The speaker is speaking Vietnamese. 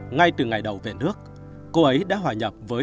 ngay từ ngày đầu về nước cô ấy đã hòa nhập với